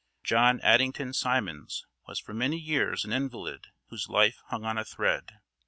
John Addington Symonds was for many years an invalid whose life hung on a thread.